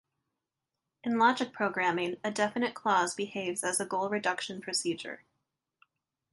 In logic programming a definite clause behaves as a goal-reduction procedure.